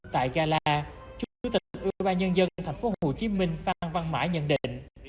tại gala chủ tịch ủy ban nhân dân thành phố hồ chí minh phan văn mã nhận định